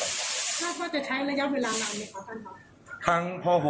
ว่าจะใช้ระยะเวลาละเลียกของพลครับ